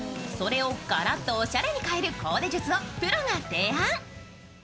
それをガラッとおしゃれに変えるコーデ術をプロが提案。